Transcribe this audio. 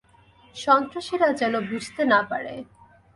সন্ত্রাসীরা যেন বুঝতে না পারে।